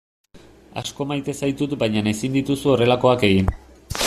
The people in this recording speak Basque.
Asko maite zaitut baina ezin dituzu horrelakoak egin.